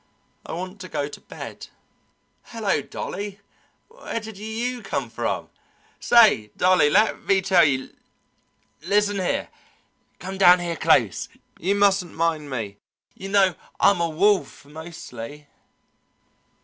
I want to go to bed. Hello, Dolly! where did you come from? Say, Dolly, let me tell you listen here come down here close; you mustn't mind me; you know I'm a wolf mostly!"